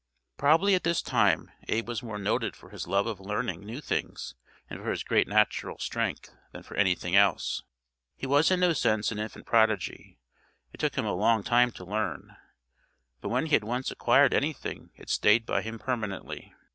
Probably at this time Abe was more noted for his love of learning new things and for his great natural strength than for anything else. He was in no sense an infant prodigy. It took him a long time to learn, but when he had once acquired anything it stayed by him permanently.